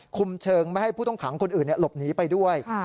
คุมเชิงไม่ให้ผู้ต้องขังคนอื่นหลบหนีไปด้วย